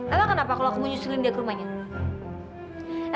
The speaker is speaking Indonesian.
emang kenapa kalau aku mau nyusulin dia ke rumahnya